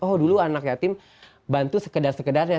oh dulu anak yatim bantu sekedar sekedar ya